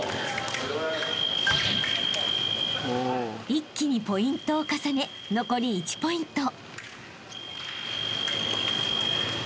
［一気にポイントを重ね残り１ポイント］